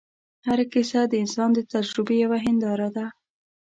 هره کیسه د انسان د تجربې یوه هنداره ده.